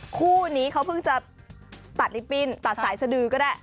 คู่นี้เขาเพิ่งจะตัดลิปปิ้นตัดสายสดือก็ได้